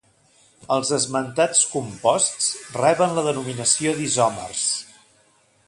Els esmentats composts reben la denominació d'isòmers.